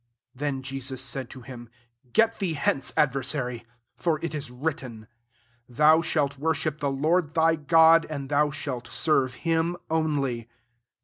10 Then said Jesus to him, «* Get thee hence, adver sary : for it is written, • Thou shalt worship the Lord thy God, and thou shalt serve him only.'